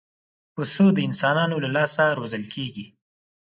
پسه د انسانانو له لاسه روزل کېږي.